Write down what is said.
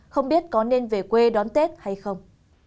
không biết có nên về quê đón tết hay không